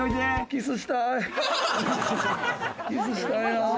キスしたい。